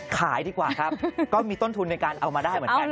ขายดีกว่าครับก็มีต้นทุนในการเอามาได้เหมือนกัน